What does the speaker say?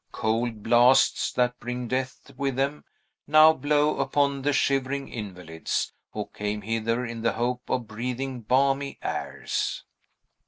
Cold blasts, that bring death with them, now blow upon the shivering invalids, who came hither in the hope of breathing balmy airs.